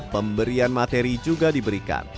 pemberian materi juga diberikan